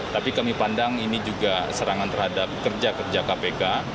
tapi kami pandang ini juga serangan terhadap kerja kerja kpk